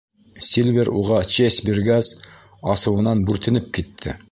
Сильвер уға честь биргәс, асыуынан бүртенеп китте.